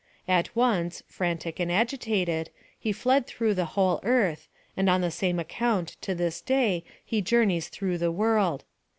At once, frantic and agitated, he fled through the whole earth, and on the same account to this day he journeys through the world.